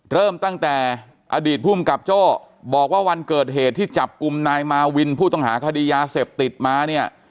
เริ่มตั้งแต่อดีตภูมิกับโจ้บอกว่าวันเกิดเหตุที่จับกลุ่มนายมาวินผู้ต้องหาคดียาเสพติดมาเนี่ย